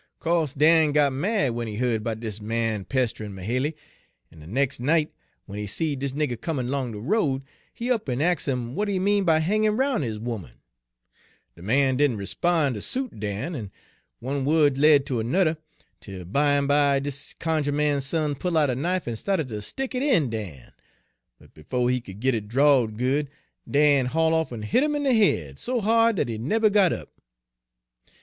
"Co'se Dan got mad w'en he heared 'bout dis man pest'rin' Mahaly, en de nex' night, w'en he seed dis nigger comin' 'long de road, he up en ax' 'im w'at he mean by hangin' 'roun' his 'oman. De man didn' 'spon' ter suit Dan, en one wo'd led ter ernudder, 'tel bimeby dis cunjuh man's son pull' out a knife en sta'ted ter stick it in Dan; but befo' he could git it drawed good, Dan haul' Page 172 off en hit 'im in de head so he'd dat he nebber got up.